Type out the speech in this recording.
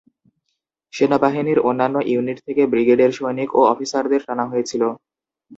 সেনাবাহিনীর অন্যান্য ইউনিট থেকে ব্রিগেডের সৈনিক ও অফিসারদের টানা হয়েছিল।